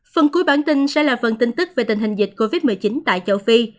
phần cuối bản tin sẽ là phần tin tức về tình hình dịch covid một mươi chín tại châu phi